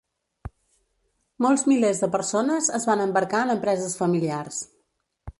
Molts milers de persones es van embarcar en empreses familiars.